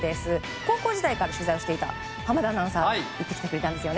高校時代から取材をしていた濱田アナウンサーが行ってきてくれたんですね。